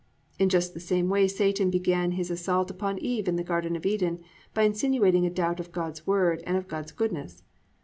"+ In just the same way Satan began his assault upon Eve in the Garden of Eden, by insinuating a doubt of God's Word and of God's goodness.